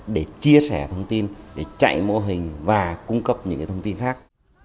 để chia sẻ thông tin để chạy mô hình và cung cấp những thông tin khác